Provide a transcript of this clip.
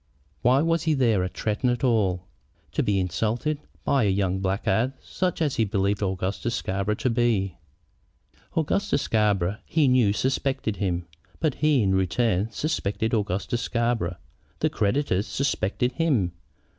Why was he there at Tretton at all, to be insulted by a young blackguard such as he believed Augustus Scarborough to be? Augustus Scarborough, he knew, suspected him. But he, in return, suspected Augustus Scarborough. The creditors suspected him.